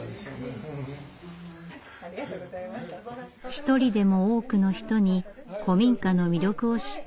一人でも多くの人に古民家の魅力を知ってほしい。